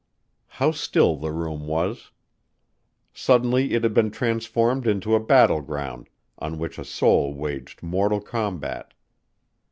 How still the room was. Suddenly it had been transformed into a battle ground on which a soul waged mortal combat.